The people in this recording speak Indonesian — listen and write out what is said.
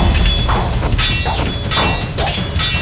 saya aspect dari atasanmu